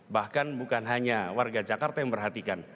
bahkan bukan hanya warga jakarta yang memperhatikan